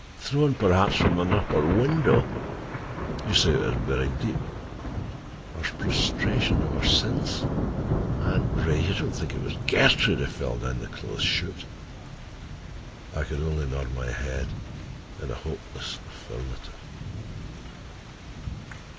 "Thrown perhaps from an upper window: you say it was buried deep. Her prostration ever since, her—Aunt Ray, you don't think it was Gertrude who fell down the clothes chute?" I could only nod my head in a hopeless affirmative.